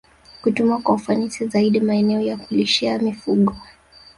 Kutumia kwa ufanisi zaidi maeneo ya kulishia mifugo